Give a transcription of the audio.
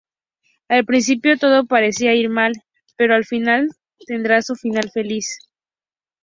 Al principio todo parece ir mal, pero al final, tendrá su final feliz.